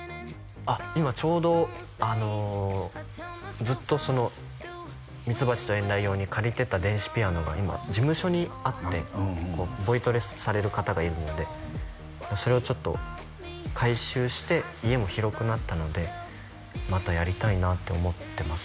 あっ今ちょうどずっとその「蜜蜂と遠雷」用に借りてた電子ピアノが今事務所にあってボイトレされる方がいるのでそれをちょっと回収して家も広くなったのでまたやりたいなって思ってます